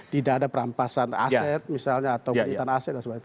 tidak ada perampasan aset misalnya atau menyitaan aset dan sebagainya